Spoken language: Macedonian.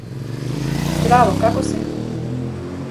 Здраво. Како си?